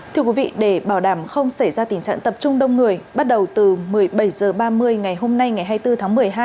thưa quý vị để bảo đảm không xảy ra tình trạng tập trung đông người bắt đầu từ một mươi bảy h ba mươi ngày hôm nay ngày hai mươi bốn tháng một mươi hai